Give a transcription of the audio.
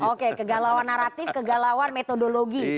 oke kegalauan naratif kegalauan metodologi